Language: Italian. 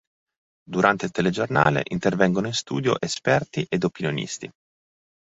Durante il telegiornale intervengono in studio esperti ed opinionisti.